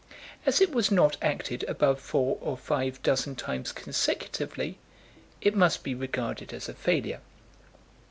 As it was not acted above four or five dozen times consecutively, it must be regarded as a failure.